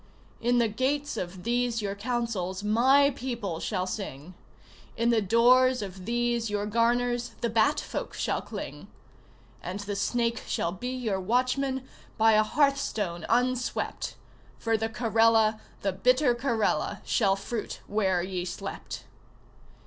In the gates of these your councils my people shall sing, In the doors of these your garners the Bat folk shall cling; And the snake shall be your watchman, By a hearthstone unswept; For the Karela, the bitter Karela, Shall fruit where ye slept!